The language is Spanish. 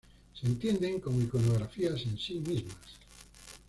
Se entienden como iconografía en sí mismas.